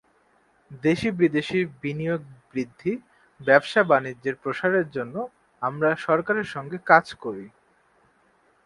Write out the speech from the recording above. দেশি-বিদেশি বিনিয়োগ বৃদ্ধি, ব্যবসা-বাণিজ্যের প্রসারের জন্য আমরা সরকারের সঙ্গে কাজ করি।